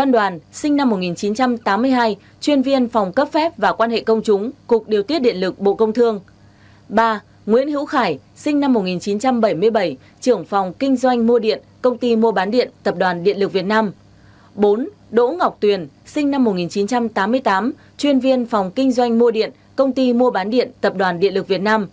đỗ ngọc tuyền sinh năm một nghìn chín trăm tám mươi tám chuyên viên phòng kinh doanh mua điện công ty mua bán điện tập đoàn điện lực việt nam